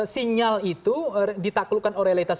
sinyal itu ditaklukkan oleh realitas